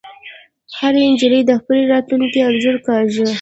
هرې نجلۍ د خپل راتلونکي انځور کاږه